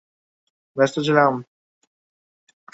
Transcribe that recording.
জানোই তো আমি কাজে ব্যস্ত ছিলাম।